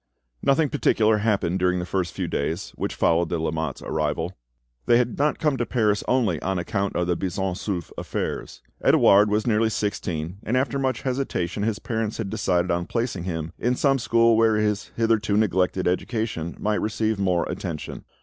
Nothing particular happened during the first few days which followed the Lamottes' arrival. They had not come to Paris only on account of the Buisson Souef affairs. Edouard was nearly sixteen, and after much hesitation his parents had decided on placing him in some school where his hitherto neglected education might receive more attention.